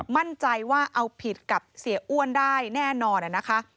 มั่นใจว่าเอาผิดกับเสียอ้วนได้แน่นอนนะคะ